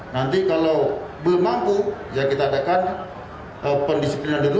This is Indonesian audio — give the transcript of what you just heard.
nanti kalau belum mampu ya kita adakan pendisiplinan dulu